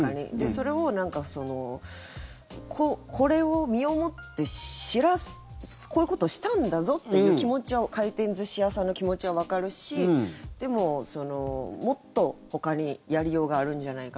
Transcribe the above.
それをこれを身をもって知らすこういうことしたんだぞっていう気持ちは回転寿司屋さんの気持ちはわかるしでも、もっとほかにやりようがあるんじゃないか。